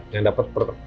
yang dapat persahabatan